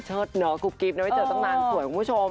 เนาะกุ๊บกิ๊บนะไม่เจอตั้งนานสวยคุณผู้ชม